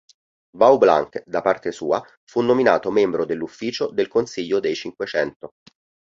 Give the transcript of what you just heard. Vaublanc, da parte sua, fu nominato membro dell'ufficio del Consiglio dei Cinquecento.